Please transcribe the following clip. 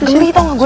ngeri tau gak gue